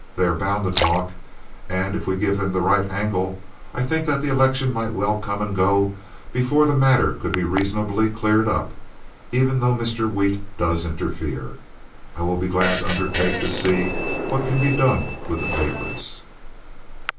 They are bound to talk; and if we give them the right angle, I think that the election might well come and go before the matter could be reasonably cleared up, even though Mr. Wheat does interfere. I will be glad to undertake to see what can be done with the papers."